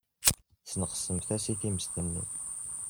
Tesneqsemt-as i tmes-nni.